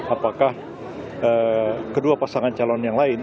apakah kedua pasangan calon yang lain